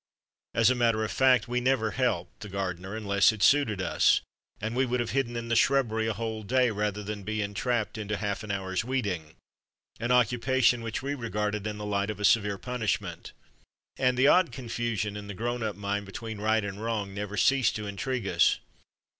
As a matter of fact, we never " helped " the gardener unless it suited us, and we would have hidden in the shrubbery a whole day rather than be entrapped into half an hour's weeding an occupation which we regarded in the light of a severe punish ment. And the odd confusion in the grown up mind between right and wrong never ceased to intrigue us.